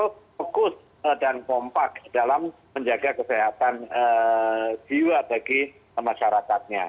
fokus dan kompak dalam menjaga kesehatan jiwa bagi masyarakatnya